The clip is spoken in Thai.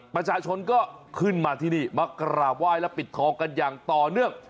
ประชาชนก็ขึ้นมาที่นี่มากราบไหว้และปิดทองกันอย่างต่อเนื่อง